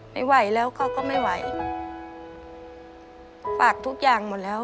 ไม่ไหวแล้วเขาก็ไม่ไหวฝากทุกอย่างหมดแล้ว